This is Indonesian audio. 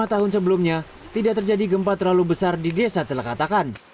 lima tahun sebelumnya tidak terjadi gempa terlalu besar di desa celekatakan